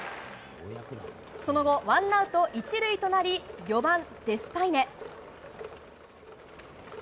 その後、ワンアウト１塁となり４番、デスパイネ。